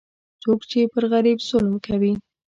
څوک چې پر غریب ظلم کوي،